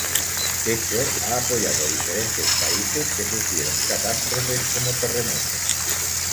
Techo ha apoyado diferentes países que sufrieron catástrofes como terremotos.